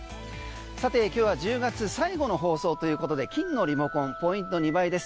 さて今日は１０月最後の放送ということで金のリモコンポイント２倍です。